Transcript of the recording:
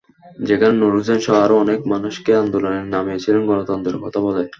যেখানে নূর হুসেনসহ আরও অনেক মানুষকে আন্দোলনে নামিয়েছিলেন গণতন্ত্রের কথা বলে।